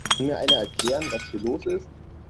Kann mir einer erklären, was hier los ist?